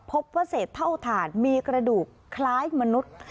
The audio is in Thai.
พบว่าเศษเท่าถ่านมีกระดูกคล้ายมนุษย์